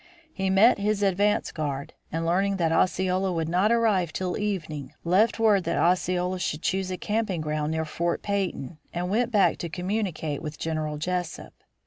He met his advance guard, and learning that Osceola would not arrive till evening, left word that Osceola should choose a camping ground near Fort Peyton, and went back to communicate with General Jesup.